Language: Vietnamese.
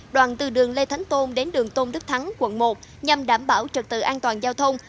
đoạn từ đường lê thánh tôn đến đường tôn đức thắng quận một nhằm đảm bảo trật tự an toàn giao thông